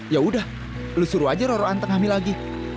yaudah lu suruh aja roro anteng kami lagi